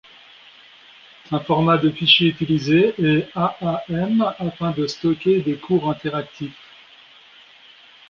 Un format de fichier utilisé est Aam afin de stocker des cours interactifs.